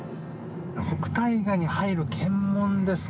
北戴河に入る検問です。